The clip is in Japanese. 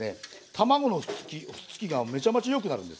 卵のくっつきがめちゃめちゃよくなるんです。